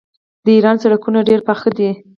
د ایران سړکونه ډیر پاخه دي.